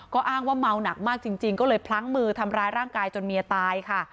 ก็อ้างว่าเมาหนักมากจริงก็เลยพลั้งมือทำร้ายร่างกายจนเมียตายค่ะ